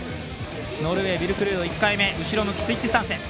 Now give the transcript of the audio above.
ノルウェー、ビルク・ルード１回目後ろ向きのスイッチスタンス。